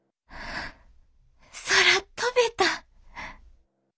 空飛べた！